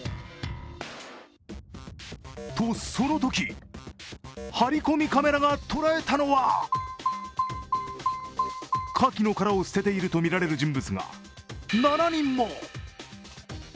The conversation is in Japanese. と、そのときハリコミカメラが捉えたのはカキの殻を捨てているとみられる人物が７人も。